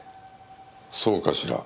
そうかしら？